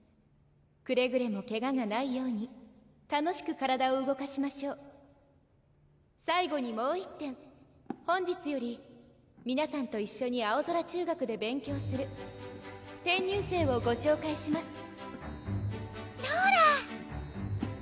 くれぐれもケガがないように楽しく体を動かしましょう最後にもう１点本日より皆さんと一緒にあおぞら中学で勉強する転入生をご紹介しますローラ！